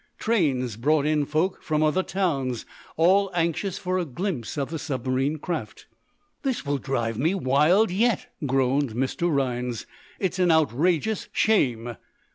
Trains brought in folks from other towns, all anxious for a glimpse of the submarine craft. "This will drive me wild, yet," groaned Mr. Rhinds. "It's an outrageous shame."